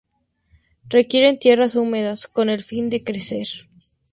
Requieren tierras húmedas con el fin de crecer.